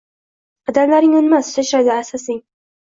Qadamlaring unmas, sachraydi sasing: